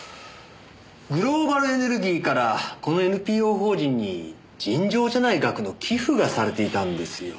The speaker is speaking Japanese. グローバルエネルギーからこのＮＰＯ法人に尋常じゃない額の寄付がされていたんですよ。